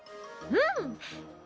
うん！